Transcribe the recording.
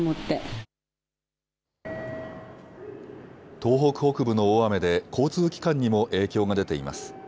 東北北部の大雨で交通機関にも影響が出ています。